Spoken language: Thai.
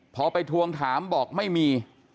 พอไปทวงถามบอกไม่มี